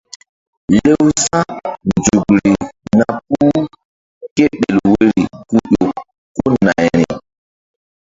Lewsa̧nzukri na puh kéɓel woyri ku ƴo ko nayri.